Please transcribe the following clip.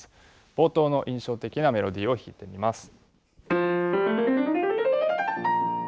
冒頭の印象的なメロディーを弾いてみます。